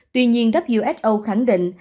tuy nhiên who khẳng định